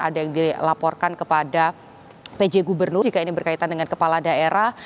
ada yang dilaporkan kepada pj gubernur jika ini berkaitan dengan kepala daerah